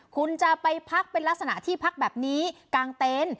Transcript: คุณจะไปพักเป็นลักษณะที่พักแบบนี้กลางเต็นต์